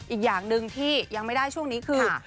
อีกอย่างหนึ่งที่ยังไม่ได้ช่วงนี้คือ